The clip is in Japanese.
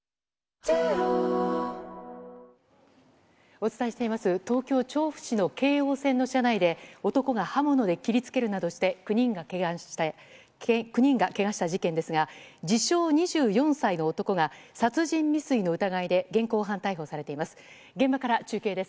お伝えしています、東京・調布市の京王線の車内で、男が刃物で切りつけるなどして、９人がけがした事件ですが、自称２４歳の男が、殺人未遂の疑いで現行犯逮捕されています。